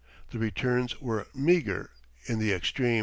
The returns were meager in the extreme.